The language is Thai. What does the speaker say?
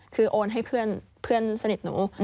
คือโอนให้เพื่อนสนิทหนู